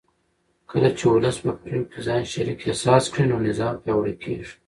کله چې ولس په پرېکړو کې ځان شریک احساس کړي نو نظام پیاوړی کېږي